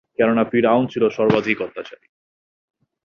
কেননা, ফিরআউন ছিল সর্বাধিক অত্যাচারী।